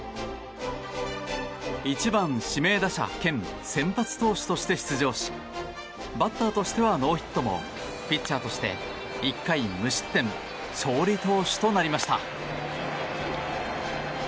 １番指名打者兼先発投手として出場しバッターとしてはノーヒットもピッチャーとして１回無失点勝利投手となりました。